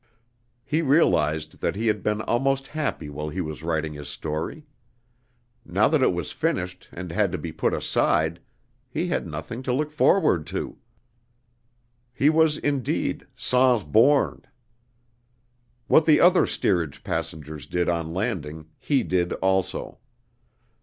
He realized that he had been almost happy while he was writing his story. Now that it was finished and had to be put aside, he had nothing to look forward to. He was indeed sans bourne. What the other steerage passengers did on landing, he did also.